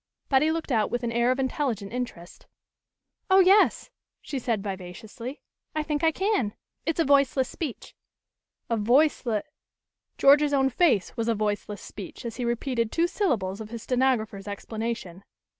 Betty looked out with an air of intelligent interest. "Oh yes!" she said vivaciously. "I think I can. It's a Voiceless Speech." "A voice l " George's own face was a voiceless speech as he repeated two syllables of his stenographer's explanation.